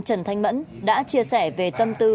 trần thanh mẫn đã chia sẻ về tâm tư